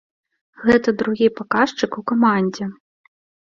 Гэта другі паказчык у камандзе.